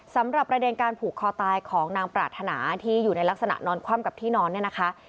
สำหรับประเด็นการผูกคอตายของนางปรารถนาที่อยู่ในลักษณะนอนคว่ำกับที่นอนเนี่ยนะคะ